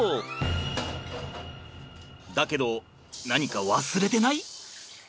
だけど何か忘れてない？